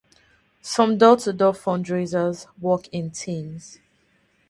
Some door to door fundraisers work in teams.